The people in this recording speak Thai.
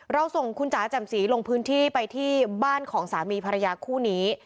ส่งคุณจ๋าแจ่มสีลงพื้นที่ไปที่บ้านของสามีภรรยาคู่นี้